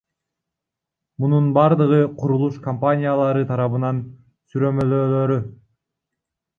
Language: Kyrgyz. Мунун бардыгы курулуш компаниялары тарабынын сүрөмөлөөлөрү.